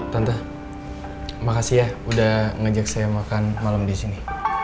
tante makasih ya udah ngajak saya makan malam disini